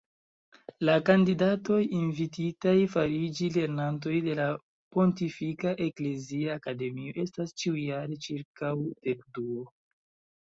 La kandidatoj invititaj fariĝi lernantoj de la Pontifika Eklezia Akademio estas ĉiujare ĉirkaŭ dekduo.